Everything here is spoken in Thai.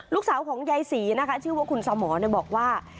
ลูกสาวของยายศรีนะคะชื่อว่าคุณสาวหมอเนี่ยบอกว่า